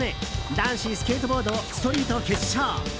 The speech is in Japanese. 男子スケートボードストリート決勝。